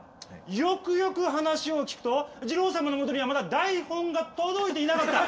よくよく話を聞くとじろう様のもとにはまだ台本が届いていなかった。